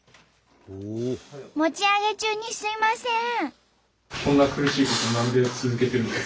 持ち上げ中にすいません！